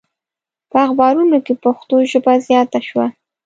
په اخبارونو کې پښتو ژبه زیاته شوه.